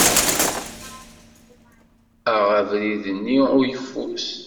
Aɣ abrid-nni n uyeffus.